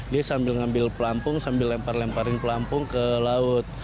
dia sambil ngambil pelampung sambil lempar lemparin pelampung ke laut